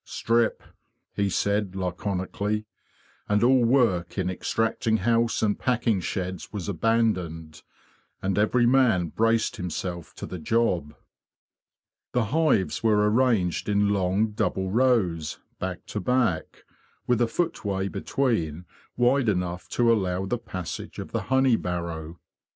'"'Strip!'' he said laconically; and all work in extracting house and packing sheds was abandoned, and every man braced himself to the job. The hives were arranged in long double rows, back to back, with a footway between wide enough to allow the passage of the honey barrow.